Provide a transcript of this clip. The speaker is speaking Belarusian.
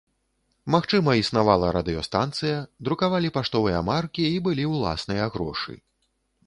Магчыма існавала радыёстанцыя, друкавалі паштовыя маркі і былі ўласныя грошы.